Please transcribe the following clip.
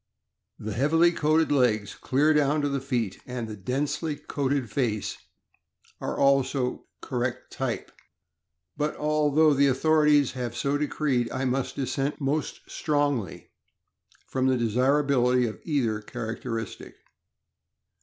The heav TaiHHb ; OLD ENGLISH SHEEP DOG— SIR CAVENDISH ily coated legs, clear down to the feet, and the densely coated face, are also the "correct type," but although the authorities have so decreed, I must dissent most strongly from the desirability of either characteristic.